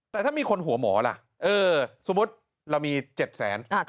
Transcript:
แต่ถ้ามีคนหัวหมอล่ะเออสมมติเรามี๗๐๐๐๐๐บาท